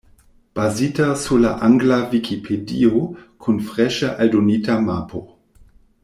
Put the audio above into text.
Bazita sur la angla Vikipedio, kun freŝe aldonita mapo.